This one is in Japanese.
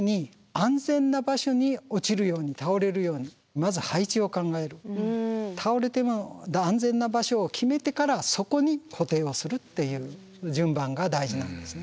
もっと大事な基本は倒れても安全な場所を決めてからそこに固定をするっていう順番が大事なんですね。